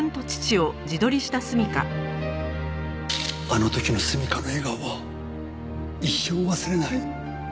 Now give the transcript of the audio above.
あの時の純夏の笑顔は一生忘れない。